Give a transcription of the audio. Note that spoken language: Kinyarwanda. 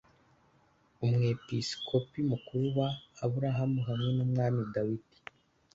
Umwepisikopi mukuru wa Aburahamu hamwe n'Umwami Dawidi